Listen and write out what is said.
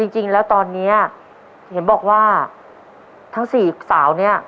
จริงแล้วตอนนี้เห็นบอกว่าทั้ง๔สาวเนี่ย